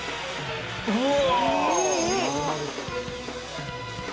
うわ！